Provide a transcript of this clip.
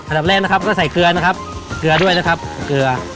อันดับแรกนะครับก็ใส่เกลือนะครับเกลือด้วยนะครับเกลือ